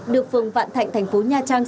được phường vạn thạnh tp nha trang